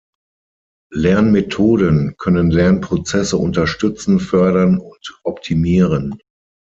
Lernmethoden können Lernprozesse unterstützen, fördern und optimieren.